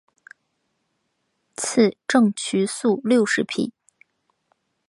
赐郑璩素六十匹。